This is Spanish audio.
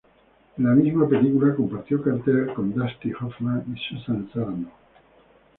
En la misma película compartió cartel con Dustin Hoffman y Susan Sarandon.